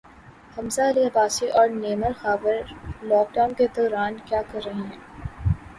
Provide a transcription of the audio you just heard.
حمزہ علی عباسی اور Naimal Khawar Khan lockdown کے دوران کیا کررہے ہیں